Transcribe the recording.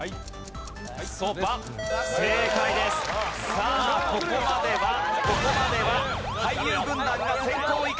さあここまではここまでは俳優軍団が先攻を生かしてリード。